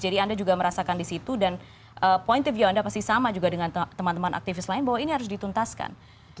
jadi anda juga merasakan di situ dan point of view anda pasti sama juga dengan teman teman aktivis lain bahwa ini harus dituntaskan